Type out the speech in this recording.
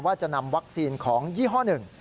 ว่าจะนำวัคซีนของยี่ห้อหนึ่ง